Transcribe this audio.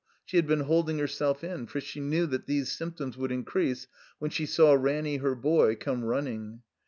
She had been holding herself in; for she knew that these symptoms would increase when she saw Ranny, her boy, come running.